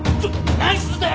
何すんだよ！